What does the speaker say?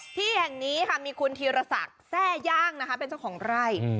ที่แห่งนี้มีคุณธีรษักแซ่ย่างเป็นเจ้าของราย